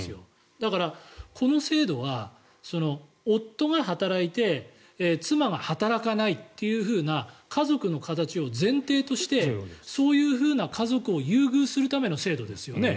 だから、この制度は夫が働いて妻が働かないというふうな家族の形を前提としてそういう家族を優遇するための制度ですよね。